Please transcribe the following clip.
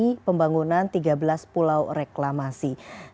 di pembangunan tiga belas pulau reklamasi